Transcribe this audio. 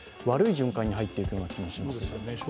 悪い循環に入っていくような気もしますね。